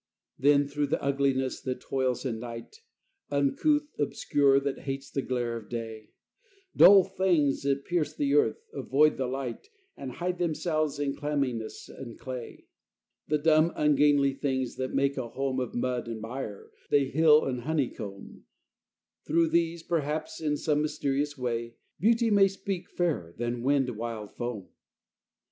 Then through the ugliness that toils in night. Uncouth, obscure, that hates the glare of day, Dull things that pierce the earth, avoid the light, And hide themselves in clamminess and clay, The dumb, ungainly things, that make a home Of mud and mire they hill and honeycomb, Through these, perhaps, in some mysterious way Beauty may speak, fairer than wind wild foam.